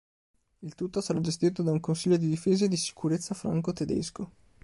Il tutto sarà gestito da un "consiglio di difesa e di sicurezza franco-tedesco".